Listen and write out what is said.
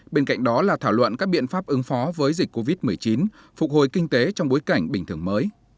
bên cạnh đó là thảo luận các biện pháp ứng phó với dịch covid một mươi chín phục hồi kinh tế trong bối cảnh bình thường mới